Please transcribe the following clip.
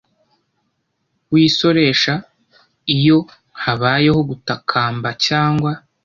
W isoresha iyo habayeho gutakamba cyangwa